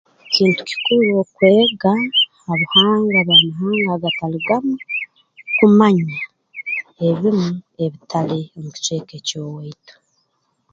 Kintu kikuru okwega ha buhangwa bw'amahanga agatali gamu kumanya ebimu ebitali omu kicweka eky'owaitu